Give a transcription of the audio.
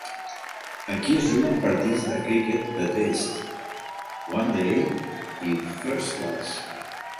Aquí es juguen partits de criquet de Test, One Day i First Class.